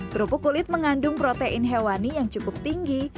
kerupuk kulit mengandung protein hewani yang cukup tinggi